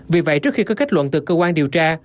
vì vậy trước khi có kết luận từ cơ quan điều tra